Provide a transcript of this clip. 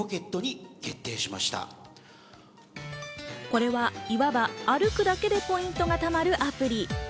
これは、いわば歩くだけでポイントが貯まるアプリ。